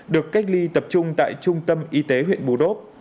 được cách ly tập trung tại trung tâm y tế huyện bù đốc